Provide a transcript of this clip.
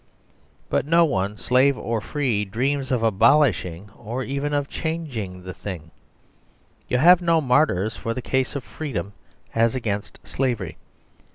But no one, slave or free, dreams of abolishing or even of changing the thing. You have no martyrs for 35 THE SERVILE STATE the case of " freedom " as against " slavery."